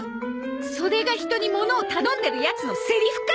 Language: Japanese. それが人にものを頼んでるヤツのセリフか！